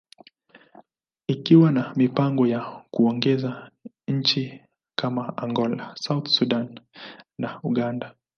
ikiwa na mipango ya kuongeza nchi kama Angola, South Sudan, and Uganda.